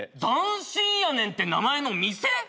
斬新やねんって名前の店？